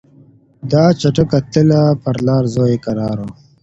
دا چټکه تله پر لار زوی یې کرار و